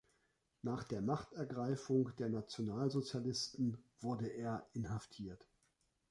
Nach der „Machtergreifung“ der Nationalsozialisten wurde er inhaftiert.